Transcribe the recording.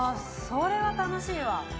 それは楽しいわ。